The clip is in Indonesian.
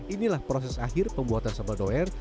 inilah proses akhir pembuatan sambal the web